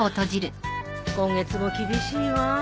今月も厳しいわ。